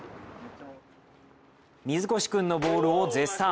水越君のボールを絶賛。